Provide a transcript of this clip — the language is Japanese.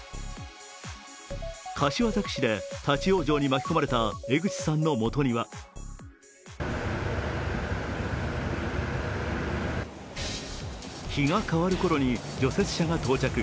柏崎市で立往生に巻き込まれた江口さんのもとには日が変わるころに除雪車が到着。